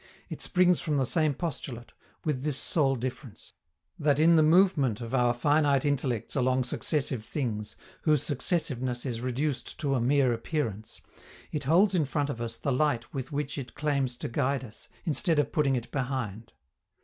It springs from the same postulate, with this sole difference, that in the movement of our finite intellects along successive things, whose successiveness is reduced to a mere appearance, it holds in front of us the light with which it claims to guide us, instead of putting it behind.